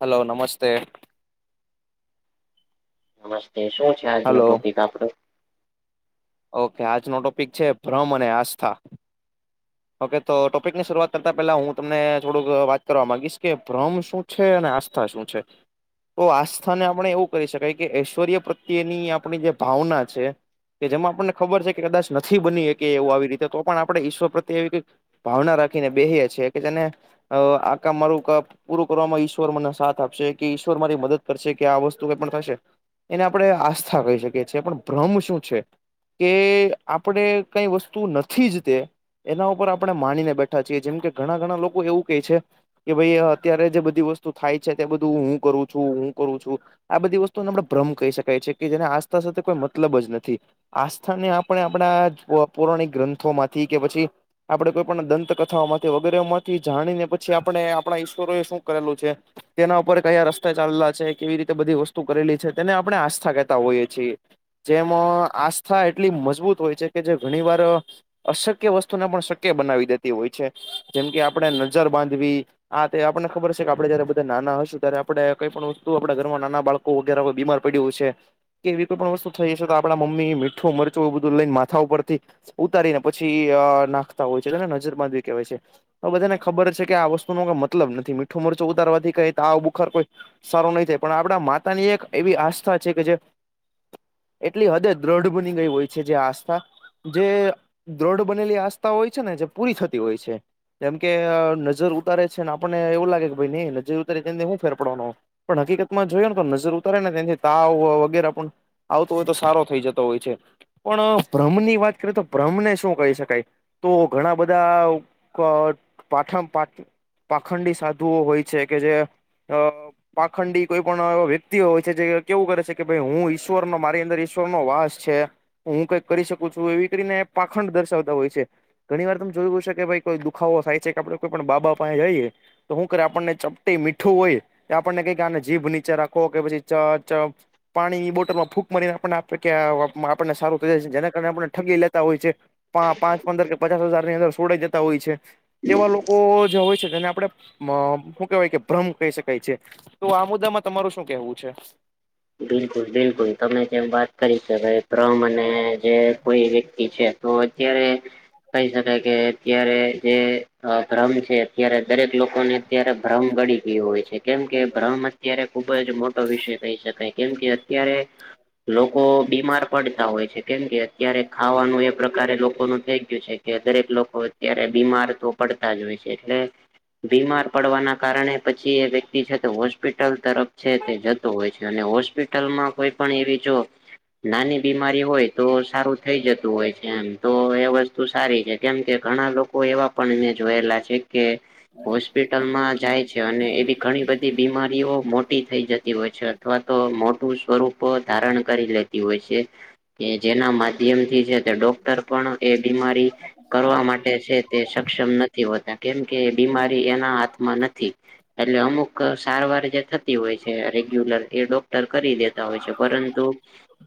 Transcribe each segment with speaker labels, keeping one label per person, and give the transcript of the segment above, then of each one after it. Speaker 1: Hello નમસ્તે
Speaker 2: નમસ્તે શું છે આજ ન
Speaker 1: હલો.
Speaker 2: ટોપિક આપડો?
Speaker 1: ઓકે આજનો ટોપિક છે ભ્રમ અને આસ્થા ઓકે તો ટોપિક ની શરૂઆત કરતા પેલા હું તમને થોડુંક વાત કરવા માંગીશ કે ભ્રમ શું છે અને આસ્થા શું છે? તો આ સ્થાને આપણે એવું કરી શકાય કે ઐશ્વર્ય પ્રત્યેની આપણી જે ભાવના છે. કે જેમાં આપણને ખબર છે કે કદાચ નથી બની શકી એવું આવી રીતે તો પણ આપણે ઈશ્વર પ્રત્ય તેવી ભાવના રાખીને બેસી છે કે જેને આકા મારું કપ પૂરું કરવામાં ઈશ્વર મને સાથ આપશે કે ઈશ્વર મારી મદદ કરશે કે આ વસ્તુ કઈ પણ થશે. એને આપણે આસ્થા કહી શકીએ છીએ પણ ભ્ર્મ શું છે કે આપણેે કઈ વસ્તુ નથી જ તે એના ઉપર આપણે માનીને બેઠા છીએ જેમ કે ઘણા ઘણા લોકો એવું કહે છે કે ભાઈ અત્યારે જે બધી વસ્તુ થાય છે તે બધું હું કરું છું હું કરું છું આ બધી વસ્તુનેમણા ભ્રમ કહી શકાય છે કે જેને આસ્થા સાથે કોઈ મતલબ જ નથી આસ્થા ને આપણે આપણા પૌરાણિક ગ્રંથો માંથી કે પછી આપડે કોઈ પણ દંતકથાઓ માંથી વગેરે માંથી જાણી ને પછી આપણે આપણા ઈશ્વરો એ શું કરેલું છે તેના ઉપર કયા રસ્તા ચાલલા છે કેવી રીતે બધી વસ્તુ કરેલી છે તેને આપણે આસ્થા કહેતા હોઈએ છીએ જેમાં આસ્થા એટલી મજબૂત હોય છે કે જે ઘણી વાર અશક્ય વસ્તુ પણ શક્ય બનાવી દેતી હોય છે જેમ કે આપણે નજર બાંધવી આા તે આપને ખબર છે કે આપડે જયારે બધા નાના હશું ત્યારે આપણે કઈ પણ વસ્તુ આપડા ઘરમાં નાના બાળકો વગે બીમાર પડ્યું છે કે એવી કોઈ પણ વસ્તુ થઈ જ છે તો આપણા મમ્મી મીઠું મરચું એવ બધું લઈને માથા ઉપરથી ઉતારીને પછી નાખતા હોય છે તોને નજર બાંધવી કહેવાય છે તો બધાને ખબર છે કે આ વસ્તુ નનો કઈ મતલબ નથી મીઠું મરચું ઉતારવાથી કઈ બુખાર કોઈ સારું નહી થાય પણ આપણા માતા ની એક એવી આસ્થા છે કે જે એટલી હદે દ્રઢ બની ગઈ હોય છે જે આસ્થા જે દ્રોઢ બનેલી આસ્થા હોય છે ને જે પૂરી થતી હોય છે એમ કે નજર ઉતારે છે ને આપણને એવું લાગે કે ભાઈ નહી નજર ઉતારી તેને હું ફેર પડવાનો? પણ હકીકતમાં જોયો ને તો નજર ઉતારે ને તથી તાવ વગેરે પણ આવતો હોય તો સારો થઈ જતો હોય છે પણ ભ્રમ ની વાત કરીએ તો ભ્રમને શું કહી શકાય? તો ઘણા બધા પાઠણ પાઠ પાખંડી સાધુઓ હોય છે કે જે અ પાખંડી કોઈ પણ એ વ્યક્તિ હોય છે જે કેવું કરે છે કે ભાઈ હું ઈશ્વર ન મારી અંદર ઈશ્વર નો વાસ છે હું કઈક કરી શકું છું એવી કરીને પાખંડ દર્શાવતા હોય છે ઘણી વાર તમ જોયું છે કે ભાઈ કોઈ દુખાવો થાય છે કે આપડે કોઈ પણ બાબા પાસે જઈએ તો શું કરે આપણને ચપટી મીઠું હોય આપણને કઈ કે આને જીભ નીચે રાખો કે પછી ચ પાણી ની બોટલ માં ફૂકરીને આપને આપ કે આપણને સારું થ એટલે આપણે ઠગી લેતા હોય છે. પા પાંચ પંદર કે પચાસ હજારની અંદર છોડાઈ જતા હોય છે. તેવા લોકો જે હોય છે જેને આપણે હું કેવાય કે ભ્રમ કહી શકાય છે. તો આ મુદ્દામાં તમારું શું કહેવું છે?
Speaker 2: બિલકુલ બિલકુલ. તમે જેમ વાત કરી કે ભાઈ ભ્રમ અને જે કોઈ વ્યક ક્તિ છે તો અત્યારે કહી શકાય કે અત્યારે જે અ ભ્રમ છે અત્યારે દરેક લોકોને અત્યારે ભ્રમ ગડી ગયું હોય છે. કેમ કે ભ્રમ અત્યારે ખુબ જ મોટો વિષય કહી શક કાય કેમ કે અત્યારે લોકો બીમાર પડતા હોય છે. કેમ કે અત્યારે ખાવાનું એ પ્રકારે લોકોનું થઈ ગયું છે. કે દરેક લોકો અત્યારે બીમાર તો પડતા જ હોય છે. એટલે બીમાર પડવાના કારણે પછી એ વ્યક્તિ છે તે હોસ્પિટલ તરફ છે તે જતો હોય છ છે અને હોસ્પિટલમાં કોઈ પણ એવી જો નાની બીમારી હોય તો સારું થઈ જતું હોય છે એમ. તો એ વસ્તુ સારી છે. કેમ કે ઘણા લોકો એવા પણ મેં જોયેલા છે. કે હોસ્પિટલમાં જાય છે. અને એવી ઘણી બધી બીમારીઓ મોટી થઈ જ તી હોય છે અથવા તો મોટું સ્વરૂપ ધારણ કરી લેતી હોય છે. કે જેના માધ્યમથી છે તે ડોક્ટર પણ એ બીમારી કરવા માટે છે તે સક્ષમ નથી હોતા કેમ કે એ બીમારી એના હાથમાં નથી. એટલે અમુક સારવાર જે થતી હોય છે રેગ્યુલર એ ડોક્ટર કરી દેતા હોય છે પરંતુ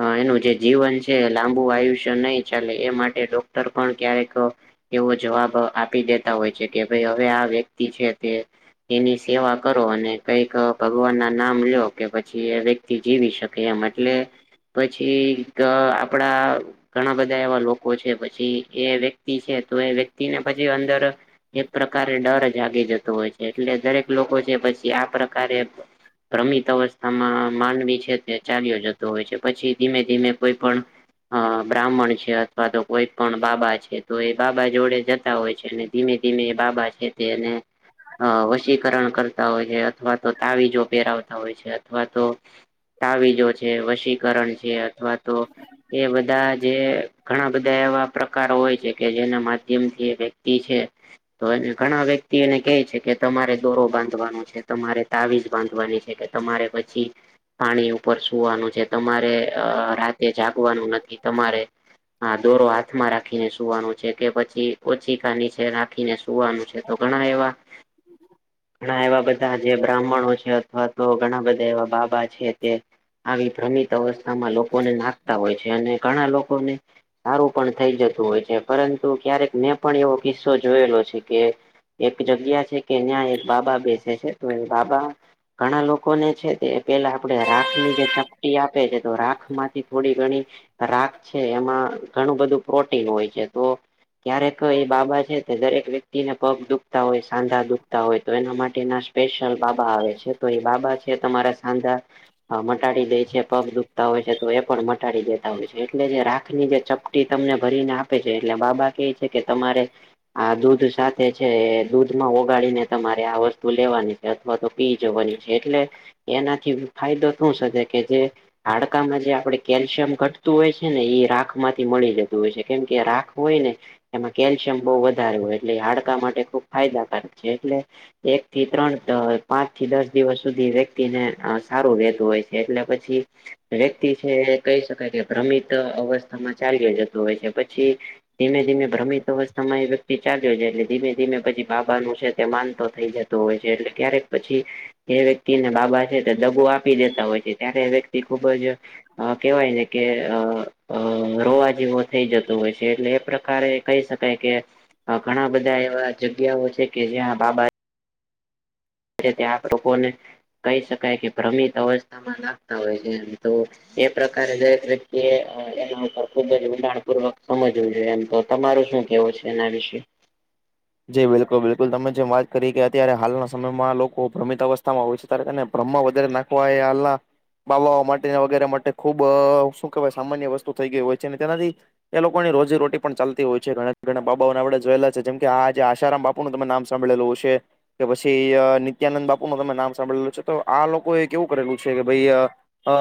Speaker 2: અ એનું જે જે જીવન છે એ લાંબુ આયુષ્ય નહી ચાલે એ માટે ડોક્ટર પણ ક્યારેક એવો જવાબ આપી દેતા હોય છે કે ભાઈ હવે આ વ્યક્તિ છે તે તેની સેવા કરો અને કઈક ભગવાનના નામ લ્યો. કે પછી એ વ્યક્તિ જીવી શકે એમ એટલે પછી આપણા ઘણા બધા એવા લોકો છે પછી એ વ્યક્તિ છે તો એ વ્યક્તિને પછી અંદર એક પ્રકારે ડર જાગી જતો હોય છે. એટલે દરેક લોકો છે પછી આ પ્રકારે ભ્રમી તવસ આમાં માનવી છે તે ચાલ્યો જતો હોય છે. પછી ધીમે ધીમે કોઈ પણ અ બ્રાહ્મણ છે અથવા તો કોઈ પણ બાબા છે તો એ બાબા જોડે જતા હોય છે અને ધીમે ધીમે એ બાબા છે તે એને અ વશીકરણ કરતા હોય છે, અથવા તો તાવીજો પહેરાવતા હોય છે, અથવા તો તાવીજો છે, વશીકરણ છે અથવા તો એ બધા જે ઘણા બધા એવા પ્રકાર હોય છે કે જેના માધ્યમથી એ વ્યક્તિ છે. તો એને ઘણા વ્યક્તિ એને કહે છે કે તમારે દોરો બાંધવાનો છે, તમારે તાવીજ બાંધવાની છ છે કે તમારે પછી પાણી ઉપર સુવાનું છે. તમારે અ રાતે જાગવાનું નથી. તમારે આ દોરો હાથમાં રાખીને સુવ સુવાનું છે કે પછી ઓછીકા નીચે રાખીને સુ સુવાનું છે તો ઘણા એવા ઘણા એવા બધ ધા જે બ્રાહ્મણો છે અથવા તો ઘણા બધા એવા બાબા છે તે આવી ભ્રમિ ત અવસ્થામાં લોકોને નાખતા હોય છે. અને ઘણા લોકોને સારું પણ થઈ જતું હોય છે. પરંતુ ક્યારેક મેં પણ એવો કિસ્સો જોયેલો છે કે એક જગ્યા છે કે ન્યા એક બાબા બેસે છે. તો એ બાબા ઘણા લોકોને છે તે પેલા આપણે રાખની જે ચપટી આપે છે તો રાખમાંથી થોડી ઘણી રાખ છે એમાં ઘણું બધું પ્રોટીન હોય છે તો ક્યારેક એ બાબા છે તે દરેક વ્યક્તિને પગ દુખતા હોય, સાંધા દુખતા હોય તો એના માટેના જ સ્પેશિયલ બાબા આવે છે. તો એ બાબા છે એ તમારા સાંધા અ મટાડી દે છે. પગ દુખતા હોય છે તો એ પણ મટાડી દેતા હોય છે. એટલે જે રાખની જે ચપ ટી તમને ભરીને આપે છે. એટલે બાબા કે છે કે તમારે આ દૂધ સા થે છે એ દૂધમાં ઓગાળીને તમારે આ વસ્તુ લેવાની છે અથવા તો પી જવાની છે. એટલે એનાથી ફાયદો થું શકે જે હાડકામાં જે આપણે કેલ્શિયમ ઘટતું હોય છે ને એ રાખ માંથી મળી લેતું હોય છે કેમ કે રાખ હોય ને એમાં કેલ્શિયમ બહુ વધારે હોય એટલે એ હાડકા માટે ખુબ ફાયદાકારક છે એટલે એક થી ત્રણ પાંચ થી દસ દિવસ સુધી ને સારું રહેેતું હોય છે એટલે પછી વ્યક્તિ છે કહી શકાય કે ભ્રમિત અવસ્થામાં ચાલ્યો જતોું હોય છે પછી ધીમે ધીમે ભ્રમિત અવસ્થામાં એ વ્યક્તિ ચાલ્યો છે એટલે ધીમે ધીમે પછી બાબાનું છે તે માનતો થઈ જતો હોય છે એટલે ક્યારેક પછી એ તિને બાબા છે તે દગો આપી દેતા હોય છે ત્યારે વ્યક્તિ ખુબ જ અ કેવાય ને કે અ રોવા જેવો થઈ જતો હોય છે એટલે એ પ્રકારે કહી શકાય કે ઘણા બધા એવા જગ્યાઓ છે કે જ્યાં બાબા તે લોકોને કહી શકાય કે ભ્રમિત અવસ્થામાં લખતા હોય છે તો એ પ્રકારે દરેક વ્યક્તિ એના ઉપર ખુબ જ ઉંડાણપૂર્વક સમજવું જોઈએ એમ તો તમારું શું કેવું છે એના વિશે
Speaker 1: જી બિલકુલ બિલકુલ તમે જેમ વાત કરી કે અત્યારે હાલના સમયમાં લોકો ભ્રમિત અવસ્થામાં હોય છે ને બ્રહ્મ વધારે નાખવા એ આલના બાબા ઓ માટે વગેરે માટે ખુબ શું કહેવાય સામાન્ય વસ્તુ થઈ ગય હોય છે ને તેનાથી એ લોકોની રોજી રોટી પણ ચાલતી હોય છે ઘણા ઘણા બાબાઓને આપડે જોયેલા છે જેમ કે આ જે આશારામ બાપુ નું તમે નામ સાભળેલું હશે કે પછી નિત્યાનંદ બાપુ નું તમે નામ સાંભળેલું છે તો આ લોકોએ કેવું કરેલું છે કે ભાઈ અ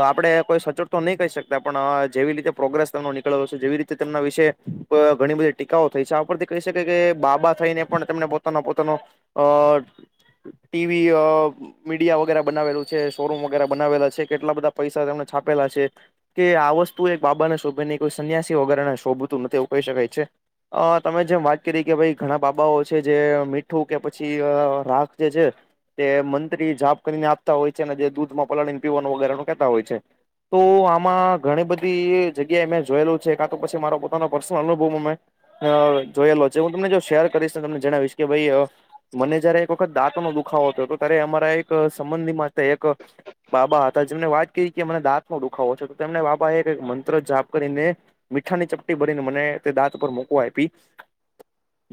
Speaker 1: આપડણે કોઈ સચોટ તો નહી કહી શકતા પણ જેવી રીતે પ્રોગ્રેસ તનો નીકળ્યોશે જેવી રીતે તેમના વિશે ઘણી બધી ટીકાઓ થઈ છે આ આપથી કહી શકાય કે બાબા થઈને પણ તેમને પોતાના પોતાનો અ ટીવી મીડિયા વગેરે બનાવેલું છે શોરૂમ વગે બનાવેલા છે કેટલા બધા પૈસા તેમને છાપેલા છે કે આ વસ્તુ એક બાબાને શોભે કોઈ સન્યાસી વગેરેને શોભતું નથી એવું કહી શકાય છે અ તમે જેમ વાત કરી કે ભાઈ ઘણા બાબાઓ છે જે મીઠું કે પછી રાખ જે છે તે મંત્રી જાપ કરીને આપતા હોય છે અને જે દૂધમાં પલાળને પીવાનું વગેરે કેતા હોય છે તો આમાં ઘણી બધી જગ્યાએ મેં જોયેલું છે કા તો પછી મારો પોતાનો પર્સનલ અનુભવ મે જોયેલો છે હું તમને જો શેર કરીશ ને તમને જણાવીશ કે ભાઈ મને જયારે એક વખત દાંત નો દુખાવો હતો તો ત્યારે અમારા એક સંબંધ મા એક બાબા હતા જેમને વાત કરી કે મને દાંત નો દુખાવો છે તો તેમને બાબા એ મંત્ર જાપ કરીને મીઠાની ચપટી ભરીને મને તે દાંત પર મોકવા આઈપી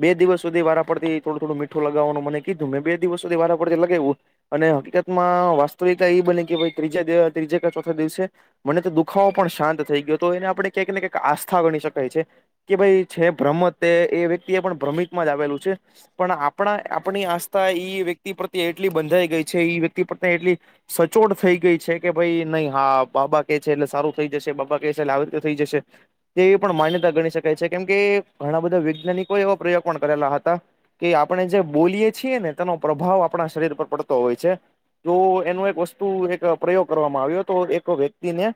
Speaker 1: બે દિવસ સુધી વારા પડતી થડું થોડું મીઠું લગાવવાનું મને કીધું મેં બે દિવસ સુધી વારા પડતી લગાઈવું અને હકીકતમાં વાસ્તવિકતા એ બની કે ભ ત્રીજ ત્રીજા કે ચોથા દિવસે મને તો દુખાવો પણ શાંત થઈ ગયો તો એને આપણે ક્યાંક ને કઈક આસ્થા ગણી શકાય છે કે ભાઈ છે ભ્રમ્મ તે એ વ્યક્તિ એ પણ ભ્ર્મિતમાં જ આવેલું છે પણ આપણા આપણી આસ્થા ઈ વ્યક્તિ પ્રત્યે એટલી બંધાઈ ગઈ છે એ વ્યક્તિ પ્રત્યે એટલી સચોટ થઈ ગઈ છે કે ભાઈ નહી હા બાબા કે છે એટલે સારું થઈ જશે બાબા કે છે એટલે આવી રીતે થઈ જશે તે પણ માન્યતા ગણી શકાય છે કેમ કે ઘણા બધા વૈજ્ઞાનિકો એવા પ્રયોગ પણ કરેલા હતા કે આપણે જે બોલીએ છીએ ને તેનો પ્રભાવ આપણા શરીર પર પડતો હોય છે જો એનો એક વસ્તુ એક પ્રયોગ કરવામાં આવ્યો તો એક વ્યક્તિને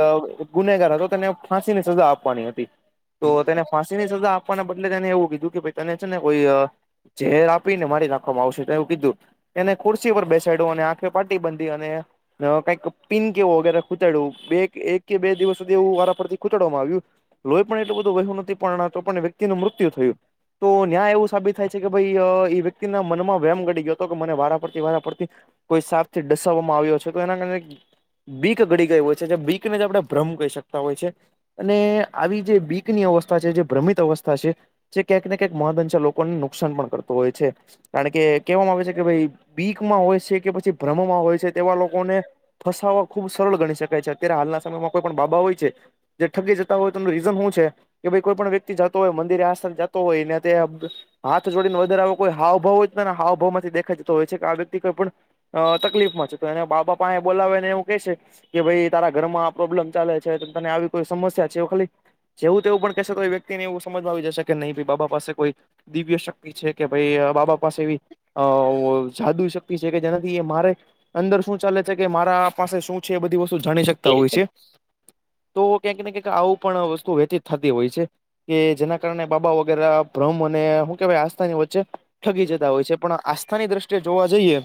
Speaker 1: અ ગુનેગાર હતો તેને ફાંસી ની સજા આપવાની હતી તો તેને ફાંસી ની સજા આપવાના બદલે તેને એવું કીધું કે ભાઈ તને છે ને કોઈ ઝેર આપી ને મારી નાખવામાં આવશે એવું કીધું એને ખુરશી પર બેસાડું અને આંખે પાટી બાંધી અને કઈક પીન કેવો વગેરે ખૂતાડવું એક કે બે દિવસ સુધી એવું વારાફરથી ખૂતાડવામાં આવ્યું લોય પણ એટલું બધું વહ્યું નથી પણપને વ્યક્તિનું મૃત્યુ થયું તો ન્યાય એવું સાબિત થાય છે કે ભાઈ એ વ્યક્તિના મનમાં વેમ ઘડી ગયો હતો કે મને વારા પડતી વારા પડતી કોઈ સાપ થી ડસાવવામાં આવ્યો છે તો એના કારણે બીક ઘડી ગયું હોય છે જે બીકને જે આપણે ભ્રમ કહી શકતા હોય છે અને આવી જે બીકની અવસ્થા છે જે ભ્રમિત અવસ્થ થશે જે ક્યાંકને ક્યાંક મહદંશા લોકોને નુકસાન પણ કરતો હોય છે. કારણ કે કેહેવામાં આવે છે કે ભાઈ બીક માં હોય છે કે પછી ભ્રમમાં હોય છે તેવા લોકોને ફસાવવા ખુબ સરળ ગણી શકાય છે અત્યારે હાલના સમયમાં કોઈ પણ બાબા હોય છે જે ઠગી જતા હોય તેમનું રીઝન હું છે કે ભઈ કોઈ પણ વ્યક્તિ જાત તોય મંદિરે આ સન જતો હોય ને તે આભ હાથ જોડીન વધારે આવો કોઈ હાવ ભાવ હોય તેના હાવ ભાવ માંથી દેખાઈ જતો હોય છે કે આ વ્યક્તિ કોઈ પણ અ તકલીફમાં છે તો એણે બાબા પાહે બોલાવેને એવું કે છે કે ભઈ તારા ઘર માં આ પ્રોબ્લેમ ચાલે છે તને આવી કોઈ સમસ્યા છે એ ખાલી જેવું તેવું પણ કહેશે તો વ્યક્તિ ને એવું સમજમાં આવી જશે કે નહી બાબા પાસે કોઈ દિવ્ય શક્તિ છે કે ભઈ બાબા પાસે એવી અવ જાદુઈ શક્તિ છે કે જેનાથી એ મારે અંદર શું ચાલે છે કે મારા પાસે શું છે એ બધી વસ્તુ જાણી શક તવું છે તો ક્યાંક ને કેક આવું પણ વસ્તુ વેહતી થતી હોય છે. કે જેના કારણે બાબા વગેરે ભ્રહ્મ અને હુ કેહેવાય આસ્થાની વચ્ચે ઠગી જતા હોય છે પણ આસ્થાની દ્રષ્ટિએ જોવા જઈએ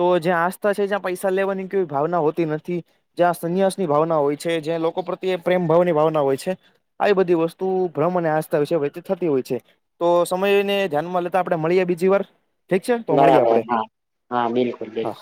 Speaker 1: તો જ્યાં આસ્થા છે જ્યાં પૈસા લેવાની કોઈ ભાવના હોતી નથી જ્યાં સંન્યાસ ની ભાવના હોય છે જ્યાં લોકો પ્રત્યે પ્રેમ ભાવની ભાવના હોય છે. આવી બધી વસ્તુ ભ્રમ અને આસ્થા વિશે વહેતી થતી હોય છે. તો સમયને ધ્યાનમાં લેતા આપણે મળીએ બીજી વાર. ઠીક છે તો મળીએ
Speaker 2: બરાબર
Speaker 1: આપડે
Speaker 2: હા હા બિલકુલ બિલકુલ
Speaker 1: હા.